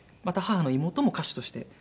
また母の妹も歌手として。